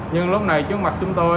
nhưng lúc này trước mặt chúng tôi